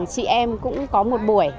chị em cũng có một buổi